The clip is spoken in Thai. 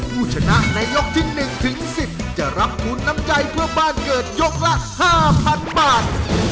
ผู้ชนะในยกที่๑ถึง๑๐จะรับทุนน้ำใจเพื่อบ้านเกิดยกละ๕๐๐๐บาท